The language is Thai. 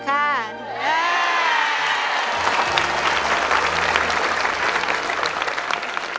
สบายตัวสะชัย